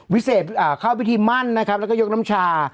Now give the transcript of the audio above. วิเศษเข้าพิธีมั่นแล้วก็ยกน้ำชา